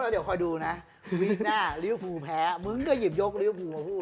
เดี๋ยวคอยดูนะวีคหน้าลิวฟูแพ้มึงก็หยิบยกลิวภูมาพูด